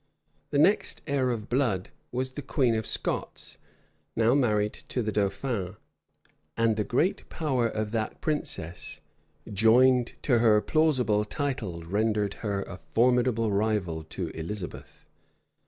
The next heir of blood was the queen of Scots, now married to the dauphin; and the great power of that princess, joined to her plausible title rendered her a formidable rival to Elizabeth.